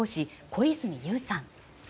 小泉悠さん。